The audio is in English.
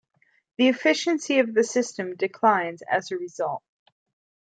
The efficiency of the system declines as a result.